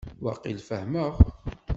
Waqil fehmeɣ.